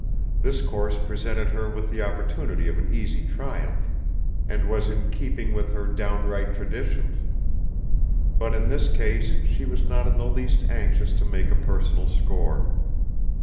This course presented her with the opportunity of an easy triumph, and was in keeping with her downright traditions; but in this case she was not in the least anxious to make a personal score.